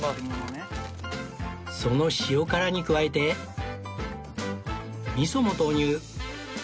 その塩辛に加えて味噌も投入